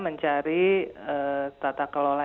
mencari tata kelola